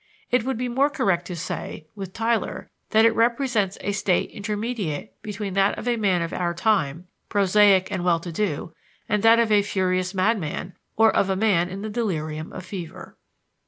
It would be more correct to say, with Tylor, that it represents a state intermediate between that of a man of our time, prosaic and well to do, and that of a furious madman, or of a man in the delirium of fever.